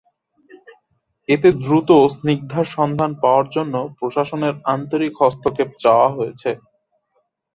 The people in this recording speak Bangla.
এতে দ্রুত স্নিগ্ধার সন্ধান পাওয়ার জন্য প্রশাসনের আন্তরিক হস্তক্ষেপ চাওয়া হয়েছে।